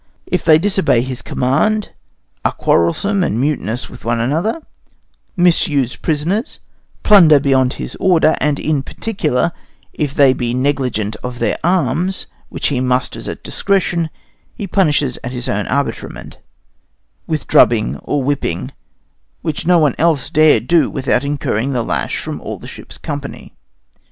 If they disobey his command, are quarrelsome and mutinous with one another, misuse prisoners, plunder beyond his order, and in particular, if they be negligent of their arms, which he musters at discretion, he punishes at his own arbitrament, with drubbing or whipping, which no one else dare do without incurring the lash from all the ship's company.